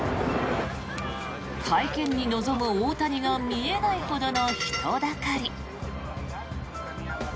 会見に臨む大谷が見えないほどの人だかり。